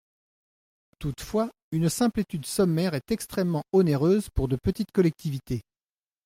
Toutefois, une simple étude sommaire est extrêmement onéreuse pour de petites collectivités.